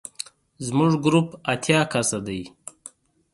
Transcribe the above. زموږ ګروپ اتیا کسه دی.